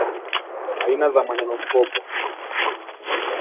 Aina za Manenomkopo